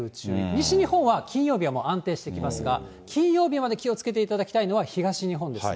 西日本は、金曜日はもう安定してきますが、金曜日まで気をつけていただきたいのは東日本ですね。